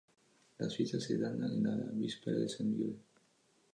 Las fiestas se dan en la víspera de San Miguel.